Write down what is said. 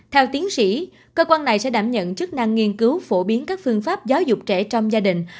theo tiến sĩ cơ quan này sẽ đảm nhận chức năng nghiên cứu phổ biến các phương pháp giáo dục trẻ trong gia đình